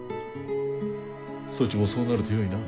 そちもそうなるとよいな。